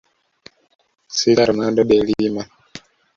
Sita Ronaldo de Lima